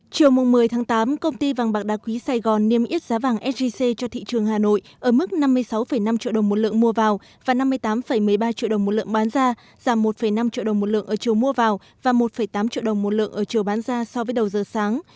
chiều một mươi tháng tám công ty vàng bạc đa quý sài gòn niêm yết giá vàng sgc cho thị trường hà nội ở mức năm mươi sáu năm triệu đồng một lượng mua vào và năm mươi tám một mươi ba triệu đồng một lượng bán ra giảm một năm triệu đồng một lượng ở chiều mua vào và một tám triệu đồng một lượng ở chiều bán ra so với đầu giờ sáng